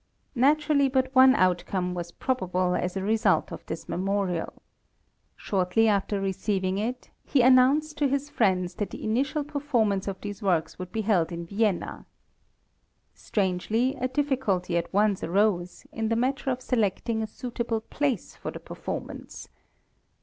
Naturally but one outcome was probable as a result of this memorial. Shortly after receiving it, he announced to his friends that the initial performance of these works would be held in Vienna. Strangely, a difficulty at once arose, in the matter of selecting a suitable place for the performance.